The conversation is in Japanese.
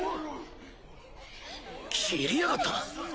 斬りやがった！